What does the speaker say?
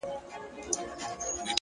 اخلاق د شهرت تر نوم مخکې ځلېږي،